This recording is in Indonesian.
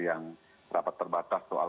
yang rapat terbatas soal